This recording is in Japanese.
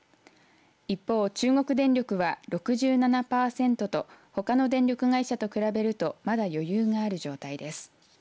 一方、中国電力は６７パーセントとほかの電力会社と比べるとまだ余裕がある状態です。